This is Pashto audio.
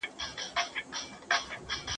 زدکړه مهمه ده.